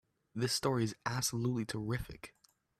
This story is absolutely terrific!